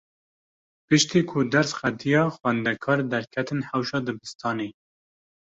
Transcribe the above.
Piştî ku ders qediya, xwendekar derketin hewşa dibistanê.